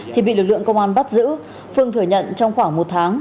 thì bị lực lượng công an bắt giữ phương thừa nhận trong khoảng một tháng